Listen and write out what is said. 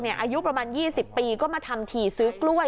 อายุประมาณ๒๐ปีก็มาทำถี่ซื้อกล้วย